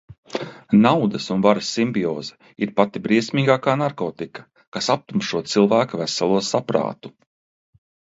Naudas un varas simbioze ir pati briesmīgākā narkotika, kas aptumšo cilvēka veselo saprātu.